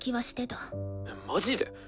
マジで！？